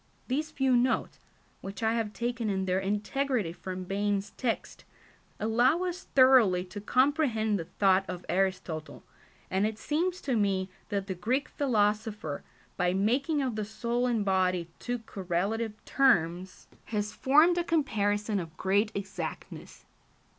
These few notes, which I have taken in their integrity from Bain's text, allow us thoroughly to comprehend the thought of Aristotle, and it seems to me that the Greek philosopher, by making of the soul and body two correlative terms, has formed a comparison of great exactness.